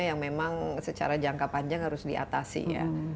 yang memang secara jangka panjang harus diatasi ya